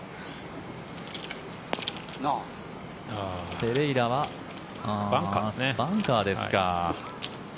ペレイラはバンカーですか。